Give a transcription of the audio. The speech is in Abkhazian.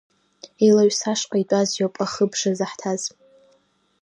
Илаҩсашҟа итәаз иоуп, ахыбжа заҳҭаз.